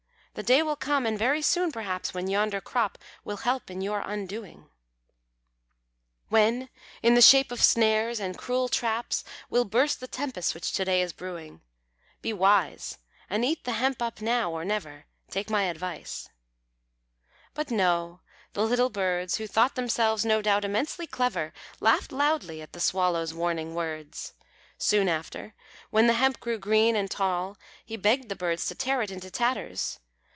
The day will come, and very soon, perhaps, When yonder crop will help in your undoing [Illustration: THE SWALLOW AND THE LITTLE BIRDS.] When, in the shape of snares and cruel traps, Will burst the tempest which to day is brewing. Be wise, and eat the hemp up now or never; Take my advice." But no, the little birds, Who thought themselves, no doubt, immensely clever, Laughed loudly at the Swallow's warning words. Soon after, when the hemp grew green and tall, He begged the Birds to tear it into tatters.